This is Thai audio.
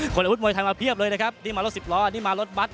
คนรถมวยไทยมาเพียบเลยนะครับนี่มันรถสิบล้อนี่มันรถบัตร